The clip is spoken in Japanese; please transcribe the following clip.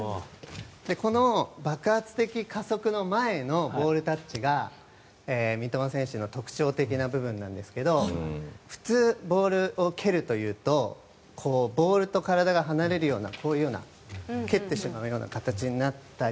この爆発的加速の前のボールタッチが三笘選手の特徴的な部分なんですが普通、ボールを蹴るというとボールと体が離れるような蹴ってしまうような形になったり